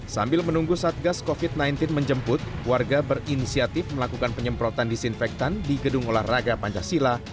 sambil menunggu satgas covid sembilan belas menjemput warga berinisiatif melakukan penyemprotan disinfektan di gedung olahraga pancasila